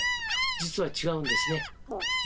実は違うんですね。